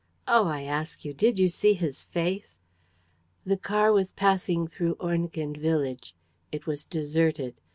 Oh, I ask you, did you see his face? ..." The car was passing through Ornequin village. It was deserted.